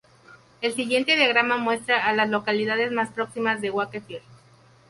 El siguiente diagrama muestra a las localidades más próximas a Wakefield.